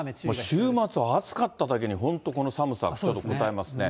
週末は暑かっただけに、本当にこの寒さ、ちょっとこたえますね。